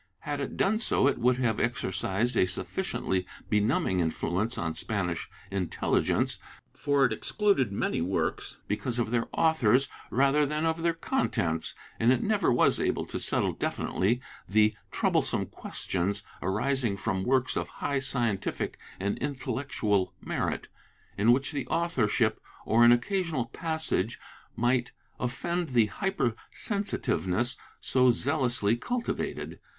Had it done so, it would have exer cised a sufficiently benumbing influence on Spanish intelligence, for it excluded many works because of their authors rather than of their contents and it never was able to settle definitely the troublesome questions arising from works of high scientific and intellectual merit, in which the authorship or an occasional passage might offend the hyper sensitiveness so zealously cultivated.